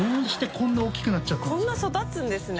こんな育つんですね。